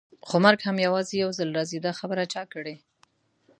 خو مرګ هم یوازې یو ځل راځي، دا خبره چا کړې؟